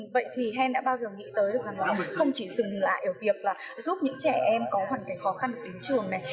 vậy thì hen đã bao giờ nghĩ tới được rằng là mình không chỉ dừng lại ở việc là giúp những trẻ em có hoàn cảnh khó khăn ở đến trường này